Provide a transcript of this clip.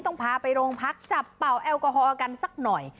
ต้องพาไปโรงพักจับเป่าแอลกอฮอลกันสักหน่อย